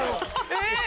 えっ！